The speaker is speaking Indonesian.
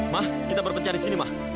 ma kita berpencari sini ma